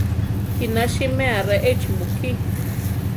Kina siméa re échi mukí.